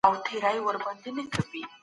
د دغې کیسې پیغام ډېر روښانه او سپین دی.